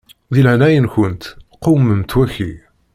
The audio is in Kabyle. Di leɛnaya-nkent qewmemt waki.